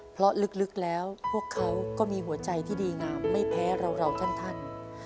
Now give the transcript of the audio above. เพราะลึกแล้วพวกเขาก็มีหัวใจที่ดีงามไม่แพ้เราท่าน